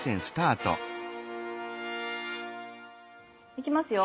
いきますよ。